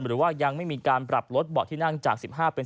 หรือว่ายังไม่มีการปรับลดเบาะที่นั่งจาก๑๕